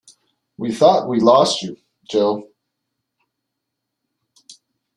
We thought we'd lost you, Jo!